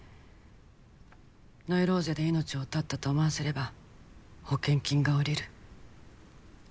「ノイローゼで命を絶ったと思わせれば保険金が下りる」